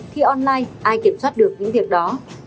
thi online ai kiểm soát được những việc đó